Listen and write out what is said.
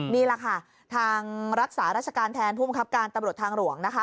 นี่แหละค่ะทางรักษาราชการแทนผู้มังคับการตำรวจทางหลวงนะคะ